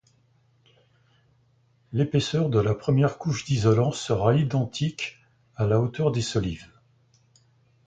L'épaisseur de la première couche d'isolant sera identique à la hauteur des solives.